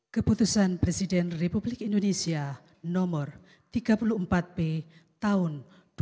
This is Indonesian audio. keputusan presiden republik indonesia nomor tiga puluh empat b tahun dua ribu dua puluh